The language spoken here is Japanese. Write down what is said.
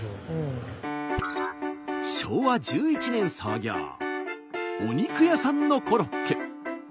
昭和１１年創業お肉屋さんのコロッケ。